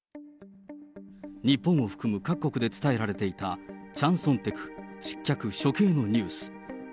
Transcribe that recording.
日本を含む各国で伝えられていた、チャン・ソンテク失脚・処刑のニュース。